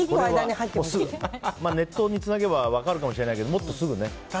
ネットにつなげば分かるかもしれないけどもっとすぐね。